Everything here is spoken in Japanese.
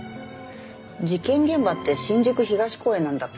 事件現場って新宿東公園なんだっけ？